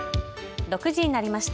６時になりました。